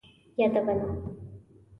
یادونه: